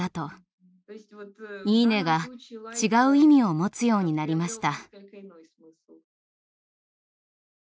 「いいね」が違う意味を持つようになりました。